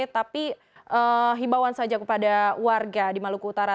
tapi hibauan saja kepada warga di maluku utara